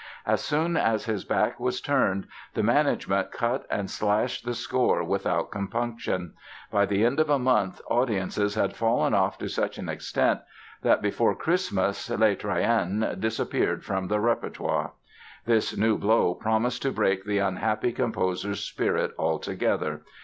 As soon as his back was turned the management cut and slashed the score without compunction. By the end of a month audiences had fallen off to such an extent that, before Christmas, "Les Troyens" disappeared from the repertoire. This new blow promised to break the unhappy composer's spirit altogether.